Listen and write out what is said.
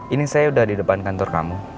ini saya udah di depan kantor kamu